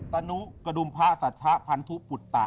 ตะนุกระดุมพระสัชชะพันธุปุตตะ